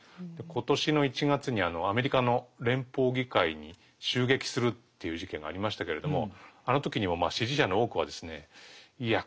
今年の１月にアメリカの連邦議会に襲撃するっていう事件がありましたけれどもあの時にもまあ支持者の多くはですねいや